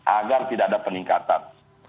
agar tidak ada peningkatan